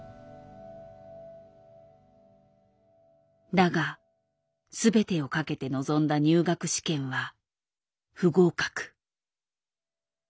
だが全てを懸けて臨んだ入学試験は不合格。